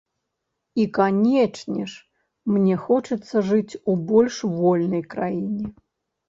І, канечне ж, мне хочацца жыць у больш вольнай краіне.